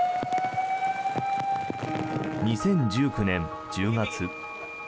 ２０１９年１０月。